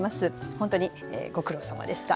本当にご苦労さまでした。